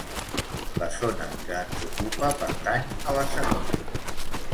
La zona que ens ocupa pertany a la segona.